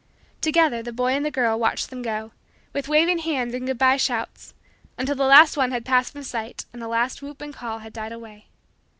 Together the boy and the girl watched them go, with waving hands and good bye shouts, until the last one had passed from sight and the last whoop and call had died away.